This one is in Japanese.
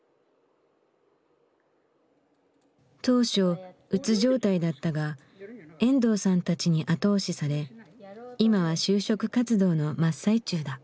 当初うつ状態だったが遠藤さんたちに後押しされ今は就職活動の真っ最中だ。